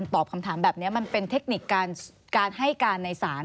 ตอบคำถามแบบนี้มันเป็นเทคนิคการให้การในศาล